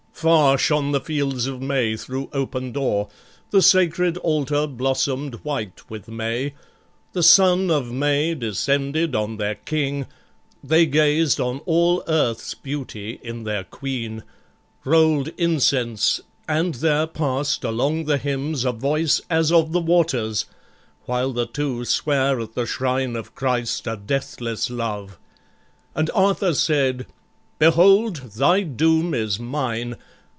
Far shone the fields of May thro' open door, The sacred altar blossom'd white with May, The Sun of May descended on their King, They gazed on all earth's beauty in their Queen, Roll'd incense, and there past along the hymns A voice as of the waters, while the two Sware at the shrine of Christ a deathless love: And Arthur said, "Behold, thy doom is mine.